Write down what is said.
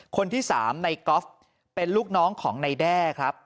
คนที่๓ในก๊อฟเป็นลูกน้องของนายแด้ครับ